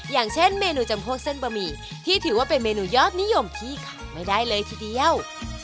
อย่างเช่นเมนูจำพวกเส้นบะหมี่ที่ถือว่าเป็นเมนูยอดนิยมที่ขายไม่ได้เลยทีเดียว